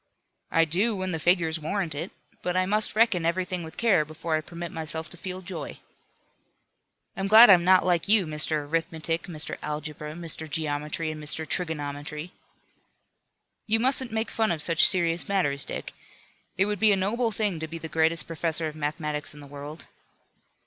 "I do, when the figures warrant it. But I must reckon everything with care before I permit myself to feel joy." "I'm glad I'm not like you, Mr. Arithmetic, Mr. Algebra, Mr. Geometry and Mr. Trigonometry." "You mustn't make fun of such serious matters, Dick. It would be a noble thing to be the greatest professor of mathematics in the world."